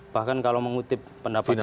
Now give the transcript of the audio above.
bahkan kalau mengutip pendapatnya